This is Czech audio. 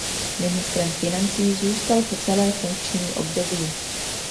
Ministrem financí zůstal po celé funkční období.